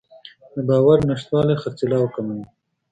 د باور نشتوالی خرڅلاو کموي.